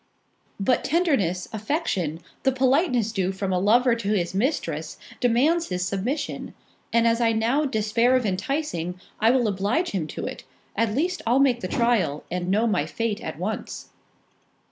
"But tenderness, affection, the politeness due from a lover to his mistress demands his submission; and as I now despair of enticing, I will oblige him to it—at least I'll make the trial, and know my fate at once."